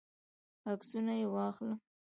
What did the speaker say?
عکسونه یې واخلم.